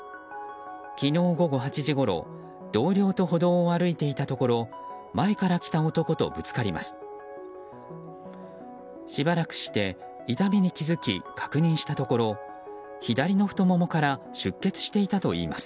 昨日午後８時ごろ同僚と歩道を歩いていたところ前から来た男とぶつかります。